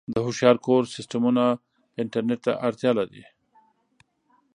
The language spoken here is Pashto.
د هوښیار کور سیسټمونه انټرنیټ ته اړتیا لري.